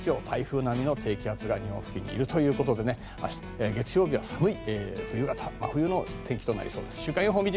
台風並みの低気圧が日本付近にいるということで月曜日は寒い真冬の天気となりそうです。